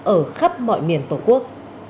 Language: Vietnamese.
ở khắp mọi miền tổ quốc